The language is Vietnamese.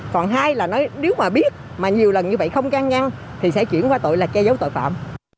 còn hai là nếu mà biết mà nhiều lần như vậy không gian ngăn thì sẽ chuyển qua tội là che giấu tội phạm